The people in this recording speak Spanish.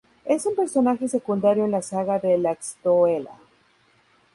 Es un personaje secundario en la "saga de Laxdœla.